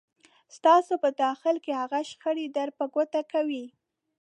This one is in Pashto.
ستاسو په داخل کې هغه شخړې در په ګوته کوي.